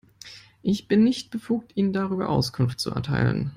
Ich bin nicht befugt, Ihnen darüber Auskunft zu erteilen.